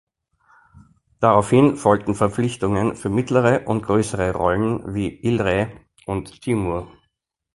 Daraufhin folgten Verpflichtungen für mittlere und größere Rollen wie Il re und Timur.